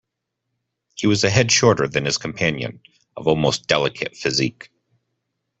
He was a head shorter than his companion, of almost delicate physique.